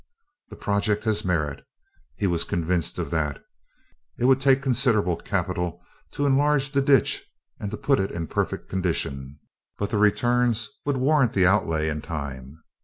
The project had merit, he was convinced of that. It would take considerable capital to enlarge the ditch and to put it in perfect condition, but the returns would warrant the outlay in time.